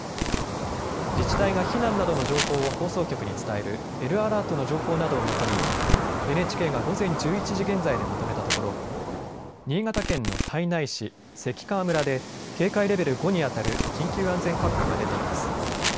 自治体が避難などの情報を放送局に伝えるＬアラートの情報などをもとにＮＨＫが午前１１時現在でまとめたところ新潟県の胎内市、関川村で警戒レベル５にあたる緊急安全確保が出ています。